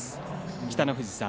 北の富士さん